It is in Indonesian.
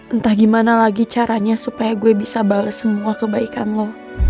entah gimana lagi caranya supaya gue bisa bales semua kebaikan lo